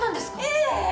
ええ！